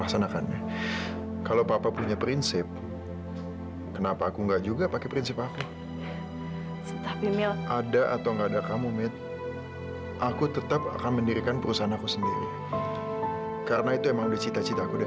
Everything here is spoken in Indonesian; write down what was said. sampai jumpa di video selanjutnya